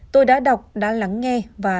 tôi đã đọc đã lắng nghe và